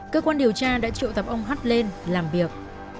cơ quan điều tra đã triệu tập ông hắt lên làm việc